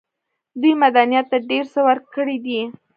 دوی مدنيت ته ډېر څه ورکړي دي.